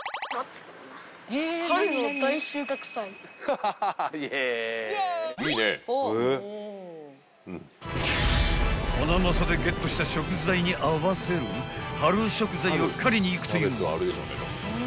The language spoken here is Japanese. ［ハナマサでゲットした食材に合わせる春食材を狩りに行くという］